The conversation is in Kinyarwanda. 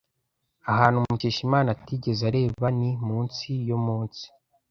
Ahantu Mukeshimana atigeze areba ni mu nsi yo munsi.